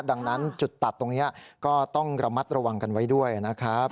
ดังนั้นจุดตัดตรงนี้ก็ต้องระมัดระวังกันไว้ด้วยนะครับ